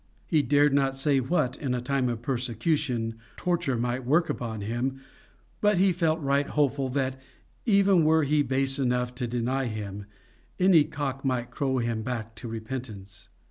He dared not say what, in a time of persecution, torture might work upon him, but he felt right hopeful that, even were he base enough to deny him, any cock might crow him back to repentance.